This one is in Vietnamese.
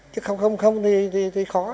chứ không không không thì khó